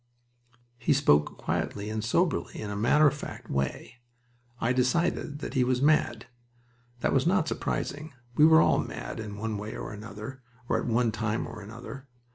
He spoke quietly and soberly, in a matter of fact way. I decided that he was mad. That was not surprising. We were all mad, in one way or another or at one time or another.